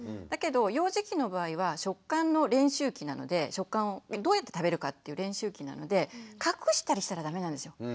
だけど幼児期の場合は食感の練習期なのでどうやって食べるかっていう練習期なので隠したりしたらダメなんですよ。